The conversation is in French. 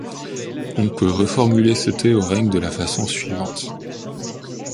On peut reformuler ce théorème de la façon suivante.